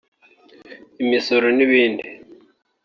imisoro n’ibindi